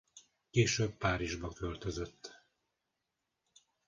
Később Párizsba költözött.